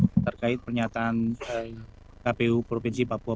terkait pernyataan kpu provinsi papua